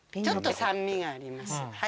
ちょっと酸味があります。